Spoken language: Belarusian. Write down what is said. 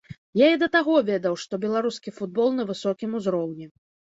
Я і да таго ведаў, што беларускі футбол на высокім узроўні.